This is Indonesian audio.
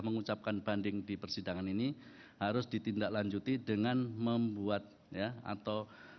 mempunyai hak untuk mengajukan upaya hukum